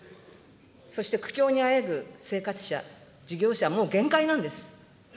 そして苦境にあえぐ生活者、事業者、もう限界なんです。